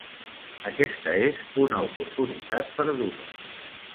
Aquesta és una oportunitat perduda.